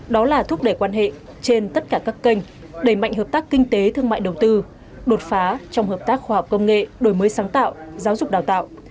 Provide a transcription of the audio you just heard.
đó là thúc đẩy quan hệ trên tất cả các kênh đẩy mạnh hợp tác kinh tế thương mại đầu tư đột phá trong hợp tác khoa học công nghệ đổi mới sáng tạo giáo dục đào tạo